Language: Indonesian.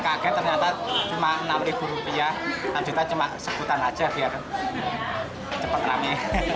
kaget ternyata cuma enam ribu rupiah enam juta cuma seputar aja biar cepat nanti